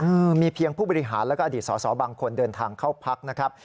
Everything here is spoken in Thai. เออมีเพียงผู้บริหารแล้วก็อดีตสอสอบางคนเดินทางเข้าพักนะครับ